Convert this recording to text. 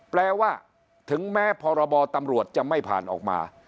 แปลว่าถึงแม้พรบตำรวจจะไม่ผ่านออกมา